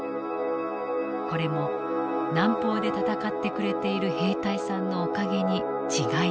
これも南方で戦って呉ている兵隊さんのお蔭にちがいない」。